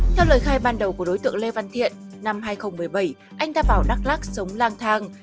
theo lời khai ban đầu của đối tượng lê văn thiện năm hai nghìn một mươi bảy anh ta vào đắk lắc sống lang thang